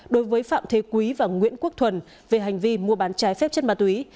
đối với phạm thế quý và nguyễn quốc thuần về hành vi mua bán trái phép chất ma túy